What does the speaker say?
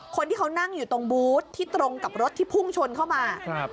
คนที่เขานั่งอยู่ตรงบูธที่ตรงกับรถที่พุ่งชนเข้ามาครับ